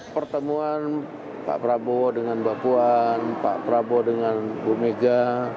pertemuan pak prabowo dengan bapuan pak prabowo dengan bumega